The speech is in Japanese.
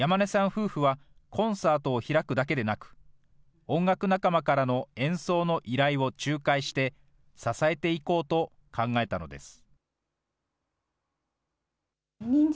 夫婦は、コンサートを開くだけでなく、音楽仲間からの演奏の依頼を仲介して、支えていこうと考えたのです。